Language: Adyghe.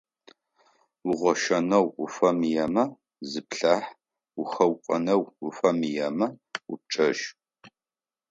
Угъощэнэу уфэмыемэ, зыплъахь, ухэукъонэу уфэмыемэ, упчӏэжь.